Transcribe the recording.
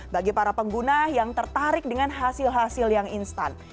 bagi para pengguna yang tertarik dengan hasil hasil yang instan